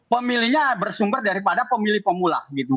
pemilihnya bersumber daripada pemilih pemula gitu